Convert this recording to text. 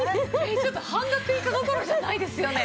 ちょっと半額以下どころじゃないですよね。